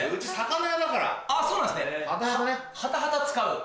ハタハタ使う。